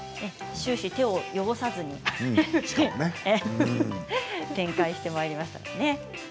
終始、手を汚さずに展開してまいりましたね。